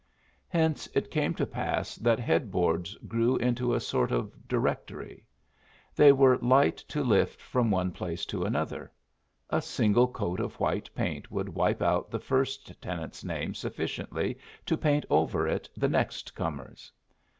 Hence it came to pass that headboards grew into a sort of directory. They were light to lift from one place to another. A single coat of white paint would wipe out the first tenant's name sufficiently to paint over it the next comer's.